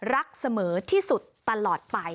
รักเสมอที่สุดตลอดไป